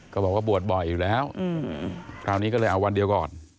ก็บอกว่าบวชบ่อยอยู่แล้วคราวนี้ก็เลยเอาวันเดียวก่อน